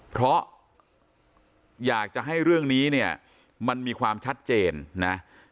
เพราะอยากจะให้เรื่องนี้เนี่ยมันมีความชัดเจนนะ